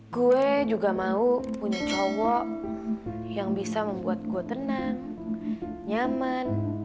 gue juga mau punya cowok yang bisa membuat gue tenang nyaman